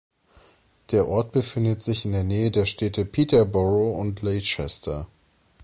Der Ort befindet sich in der Nähe der Städte Peterborough und Leicester.